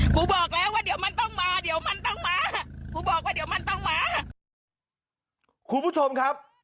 คุณผู้ชมครับ